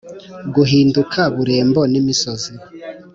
guhinduka Burembo n imisozi